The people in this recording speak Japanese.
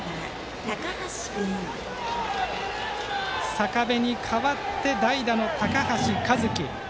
坂部に代わって代打の高橋一輝。